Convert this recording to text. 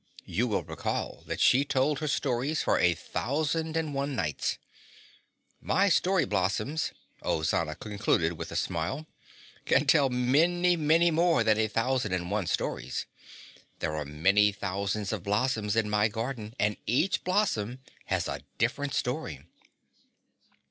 You will recall that she told her stories for a thousand and one nights. My story blossoms," Ozana concluded with a smile, "can tell many, many more than a thousand and one stories. There are many thousands of blossoms in my garden, and each blossom has a different story."